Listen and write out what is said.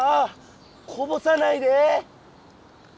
こぼさないで！